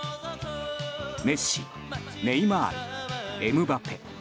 メッシ、ネイマール、エムバペ。